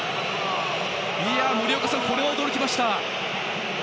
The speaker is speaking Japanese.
森岡さん、これは驚きました。